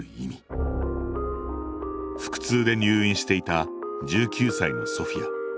腹痛で入院していた１９歳のソフィア。